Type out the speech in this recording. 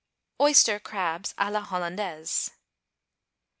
=Oyster Crabs à la Hollandaise.